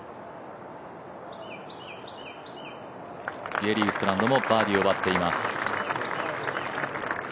ゲーリー・ウッドランドもバーディーを奪っています。